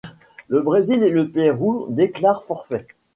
Le Brésil et le Pérou déclarent forfait.